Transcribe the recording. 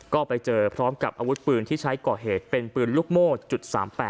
ก็ไปเจอพร้อมกับอาวุธปืนที่ใช้ก่อเหตุเป็นปืนลูกโม่จุด๓๘